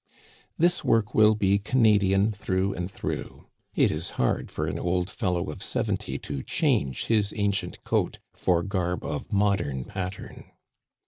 This work will be Canadian through and through. It is hard for an old fellow of seventy to change his ancient coat for garb of modern pattern.